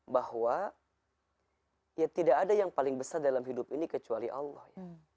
bahwa ya tidak ada yang paling besar dalam hidup ini kecuali allah ya